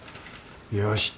よし。